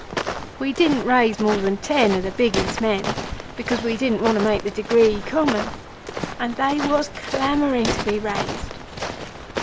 We didn't raise more than ten of the biggest men because we didn't want to make the Degree common. And they was clamoring to be raised.